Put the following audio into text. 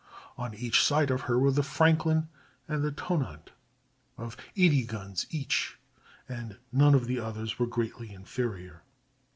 On each side of her were the Franklin and the Tonnant, of 80 guns each, and none of the others were greatly inferior.